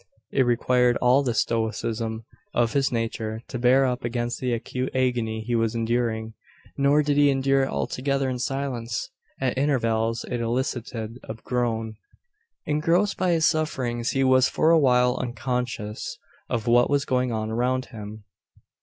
It required all the stoicism of his nature to bear up against the acute agony he was enduring. Nor did he endure it altogether in silence. At intervals it elicited a groan. Engrossed by his sufferings, he was for a while unconscious of what was going on around him.